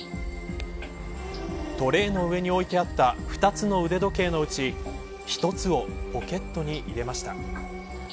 トレーの上に置いてあった２つの腕時計のうち１つをポケットに入れました。